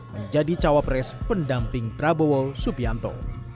menjadi cawapres pendamping prabowo subianto